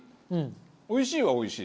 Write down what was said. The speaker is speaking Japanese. おいしいはおいしい。